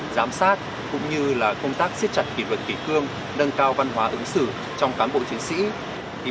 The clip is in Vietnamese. giám sát cũng như là công tác xiết chặt kỷ luật kỷ cương nâng cao văn hóa ứng xử trong cán bộ chiến sĩ